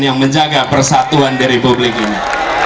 yang menjaga persatuan di republik ini